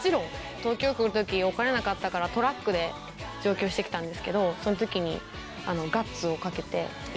東京来るとき、お金なかったから、トラックで上京してきたんですけど、そのときにＧＵＴＳ！をかけて。